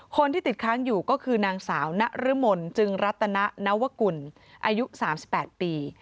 คนที่ติดค้างอยู่ก็คือนางสาวนรมนจึงรัตนวกุลอายุ๓๘ปี